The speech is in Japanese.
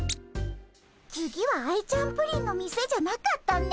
次はアイちゃんプリンの店じゃなかったね。